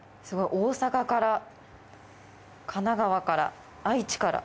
大阪から神奈川から愛知から。